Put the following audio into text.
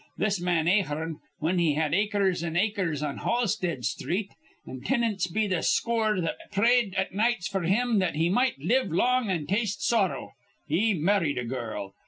This man Ahearn, whin he had acres an' acres on Halsted Sthreet, an' tinants be th' scoor that prayed at nights f'r him that he might live long an' taste sorrow, he marrid a girl.